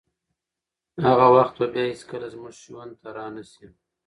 هغه وخت به بیا هیڅکله زموږ ژوند ته رانشي.